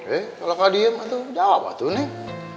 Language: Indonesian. eh kalau kau diem tuh jawab lah tuh neng